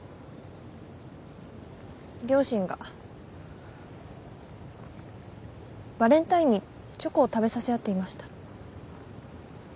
両親がバレンタインにチョコを食べさせ合っていました。